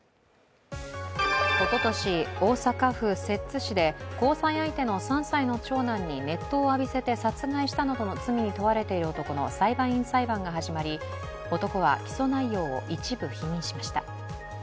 おととし、大阪府摂津市で交際相手の３歳の長男に熱湯を浴びせて殺害したなどの罪に問われている男の裁判員裁判が始まり男は起訴内容を一部否認しました。